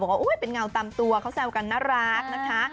ว่าเป็นเงาตามตัวเขาแซวกันน่ารักนะคะ